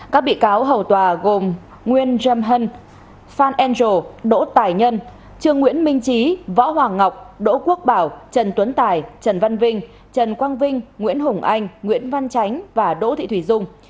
các bị cáo hầu tòa gồm nguyễn trâm hân phan angel đỗ tài nhân trương nguyễn minh trí võ hoàng ngọc đỗ quốc bảo trần tuấn tài trần văn vinh trần quang vinh nguyễn hùng anh nguyễn văn chánh và đỗ thị thủy dung